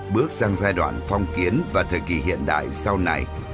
bước sang giai đoạn phong kiến và thời kỳ hiện đại sau này